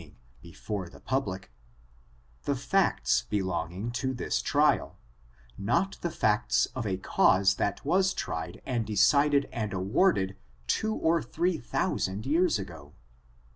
291 ing before the public) the facts belonging to this trial, not the facts of a cause that was tried, and decided and awarded, two or three thousand years ago."